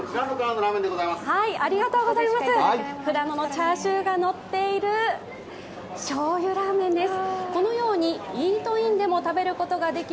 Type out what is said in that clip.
富良野のチャーシューがのっているしょうゆラーメンです。